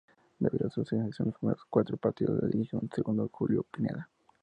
Debido a una sanción los primeros cuatro partidos los dirige su segundo, Julio Pineda.